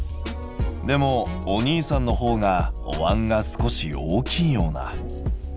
でもお兄さんのほうがおわんが少し大きいような。